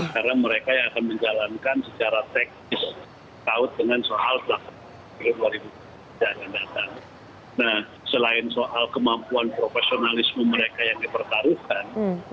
karena mereka yang akan menjalankan secara teknis takut dengan soal kemampuan profesionalisme mereka yang dipertaruhkan